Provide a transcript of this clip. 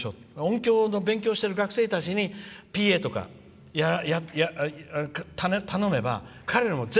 音響の勉強をしている学生たちにＰＡとか頼めば、大丈夫。